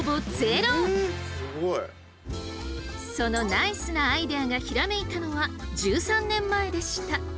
そのナイスなアイデアがひらめいたのは１３年前でした。